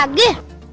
kita balik ke rumah